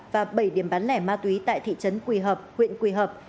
và bảy điểm bán lẻ ma túy tại thị trấn quỳ hợp huyện quỳ hợp